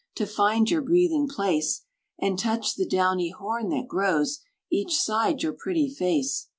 To find your breathing place, And touch the downy horn that grows Each side your pretty face.